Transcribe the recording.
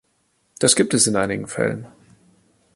Das gibt es in einigen Fällen.